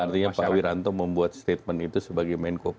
ya artinya pak wiranto membuat statement itu sebagai menyebutkan